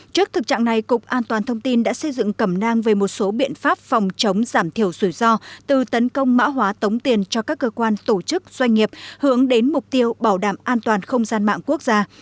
trước thực trạng này cục an toàn thông tin đã xây dựng cẩm nang về một số biện pháp phòng chống giảm thiểu rủi ro từ tấn công mã hóa tống tiền cho các cơ quan tổ chức doanh nghiệp hướng đến mục tiêu bảo đảm an toàn không gian mạng quốc gia